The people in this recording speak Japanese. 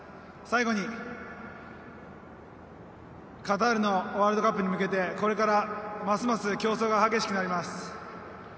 最後にカタールワールドカップに向けてこれからますます競争が激しくなります。